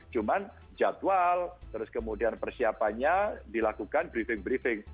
cuman jadwal terus kemudian persiapannya dilakukan briefing briefing